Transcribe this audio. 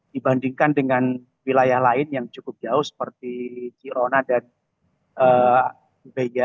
dibandingkan dengan wilayah lain yang cukup jauh seperti chirona dan belgia